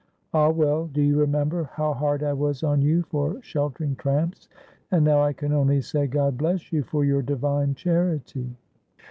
Ah, well, do you remember how hard I was on you for sheltering tramps, and now I can only say, God bless you for your divine charity."